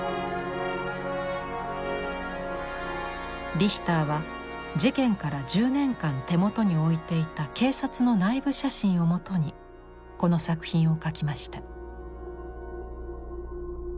リヒターは事件から１０年間手元に置いていた警察の内部写真を基にこの作品を描きました。